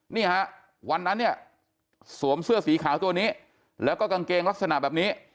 นี่ฮะวันนั้นเนี่ยสวมเสื้อสีขาวตัวนี้แล้วก็กางเกงลักษณะแบบนี้